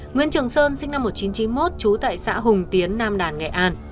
nguyễn trường sơn sinh năm một nghìn chín trăm chín mươi một trú tại xã hùng tiến nam đàn nghệ an